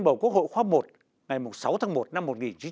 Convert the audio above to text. bầu quốc hội khoa một ngày sáu tháng một năm một nghìn chín trăm bốn mươi sáu